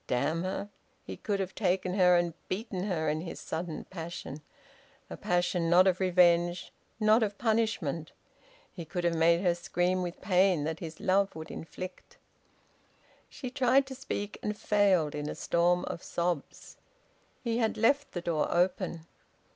Damn her! He could have taken her and beaten her in his sudden passion a passion not of revenge, not of punishment! He could have made her scream with the pain that his love would inflict. She tried to speak, and failed, in a storm of sobs. He had left the door open.